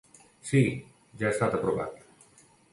Si, ja ha estat aprovat.